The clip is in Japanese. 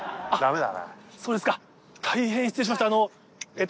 そうですか大変失礼しました。